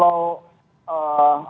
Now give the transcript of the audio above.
hukum presiden ibu